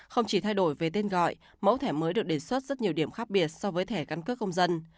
không chỉ thay đổi về tên gọi mẫu thẻ mới được đề xuất rất nhiều điểm khác biệt so với thẻ căn cước công dân